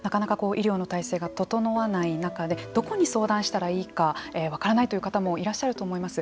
なかなか医療の体制が整わない中でどこに相談したらいいか分からないという方もいらっしゃると思います。